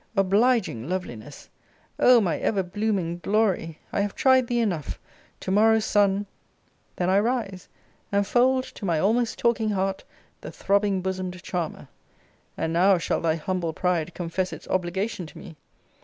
Obliging loveliness! O my ever blooming glory! I have tried thee enough. To morrow's sun Then I rise, and fold to my almost talking heart the throbbing bosom'd charmer. And now shall thy humble pride confess its obligation to me!